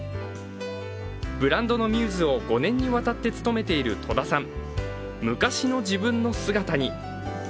ブランドのミューズを５年にわたって務めている戸田さん。